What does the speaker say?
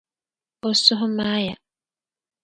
O suhu maaya.